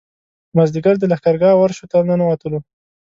مازیګر د لښکرګاه ورشو ته ننوتلو.